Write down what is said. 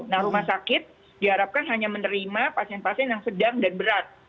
nah rumah sakit diharapkan hanya menerima pasien pasien yang sedang dan berat